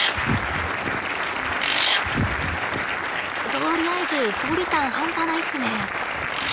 とりあえず鳥感半端ないっすね。